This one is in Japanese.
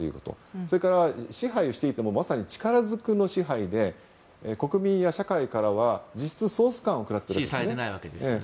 それから、支配していても力ずくの支配で国民や社会からは実質、総スカンを食らっているわけですね。